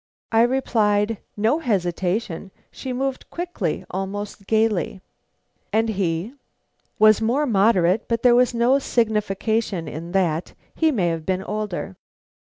I replied: "No hesitation; she moved quickly, almost gaily." "And he?" "Was more moderate; but there is no signification in that; he may have been older."